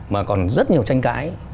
mà còn rất nhiều tranh cãi